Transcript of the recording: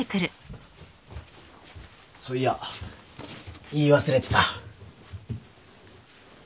そういや言い忘れてた。